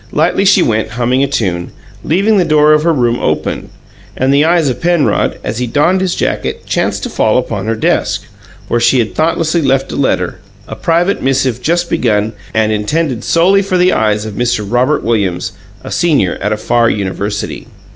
Lightly she went, humming a tune, leaving the door of her room open, and the eyes of Penrod, as he donned his jacket, chanced to fall upon her desk, where she had thoughtlessly left a letter a private missive just begun, and intended solely for the eyes of Mr. Robert Williams, a senior at a far university.